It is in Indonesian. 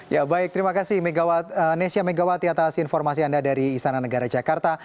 ya baik terima kasih nesya megawati atas informasi anda dari istana negara jakarta